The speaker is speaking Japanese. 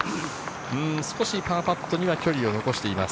少しパーパットには距離を残しています。